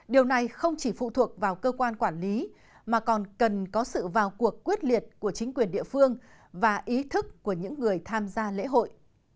điều này không chỉ phụ thuộc vào cơ quan quản lý mà còn cần có sự vào cuộc quyết liệt của chính quyền địa phương và ý thức của những người tham gia lễ hội